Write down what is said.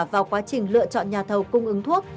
vào quá trình lựa chọn nhà thầu cung ứng thuốc